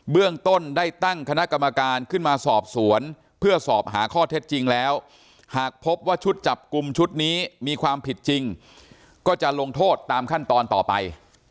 เรื่องต้นได้ตั้งคณะกรรมการขึ้นมาสอบสวนเพื่อสอบหาข้อเท็จจริงแล้วหากพบว่าชุดจับกลุ่มชุดนี้มีความผิดจริงก็จะลงโทษตามขั้นตอนต่อไป